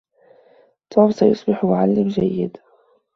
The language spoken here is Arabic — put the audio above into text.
توم سيصبح معلم جيد.